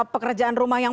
pekerjaan rumah yang